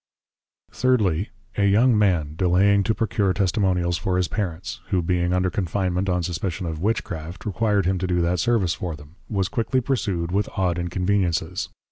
Thirdly, A young man, delaying to procure Testimonials for his Parents, who being under confinement on suspicion of Witchcraft, required him to do that service for them, was quickly pursued with odd Inconveniences.